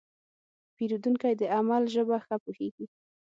پیرودونکی د عمل ژبه ښه پوهېږي.